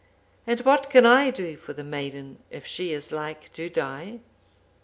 And what can I do for the maiden if she is like to die?